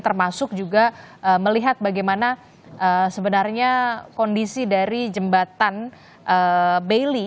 termasuk juga melihat bagaimana sebenarnya kondisi dari jembatan bailey